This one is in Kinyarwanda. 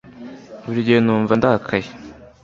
Buri gihe numva ndakaye